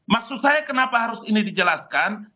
maksud saya kenapa harus ini dijelaskan